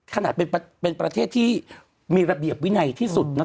ขนาดเป็นประเทศที่มีระเบียบวินัยที่สุด